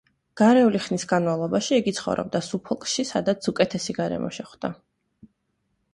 გარეული ხნის განმავლობაში იგი ცხოვრობდა სუფოლკში, სადაც უკეთესი გარემო შეხვდა.